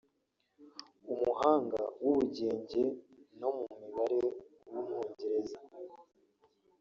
umuhanga mu bugenge no mu mibare w’umwongereza